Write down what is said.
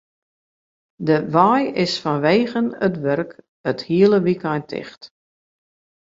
De wei is fanwegen it wurk dit hiele wykein ticht.